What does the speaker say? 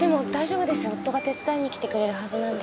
夫が手伝いに来てくれるはずなんで。